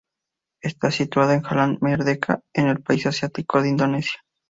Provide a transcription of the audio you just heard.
Está situada en Jalan Merdeka, en el país asiático de Indonesia.